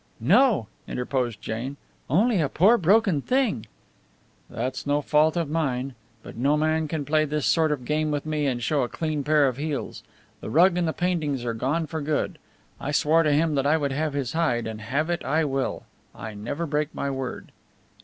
"No," interposed Jane, "only a poor broken thing." "That's no fault of mine. But no man can play this sort of game with me, and show a clean pair of heels. The rug and the paintings are gone for good. I swore to him that I would have his hide, and have it I will! I never break my word."